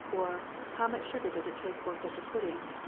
" or, "How much sugar does it take for such a pudding